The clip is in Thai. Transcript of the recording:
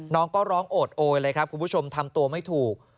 น้องก็ร้องโอดโอยเลยครับคุณผู้ชมทำตัวไม่ถูก